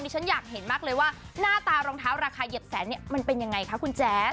ฉันอยากเห็นมากเลยว่าหน้าตารองเท้าราคาเหยียบแสนเนี่ยมันเป็นยังไงคะคุณแจ๊ส